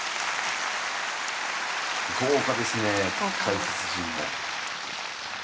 豪華ですねえ解説陣も。